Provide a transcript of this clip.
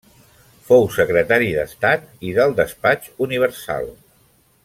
Fou Secretari d'Estat i del Despatx Universal.